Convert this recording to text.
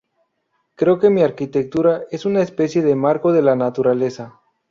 Creo que mi arquitectura es una especie de marco de la naturaleza.